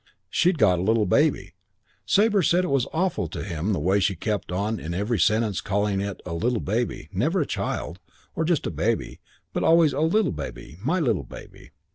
She'd got a little baby. Sabre said it was awful to him the way she kept on in every sentence calling it 'a little baby' never a child, or just a baby, but always 'a little baby,' 'my little baby.'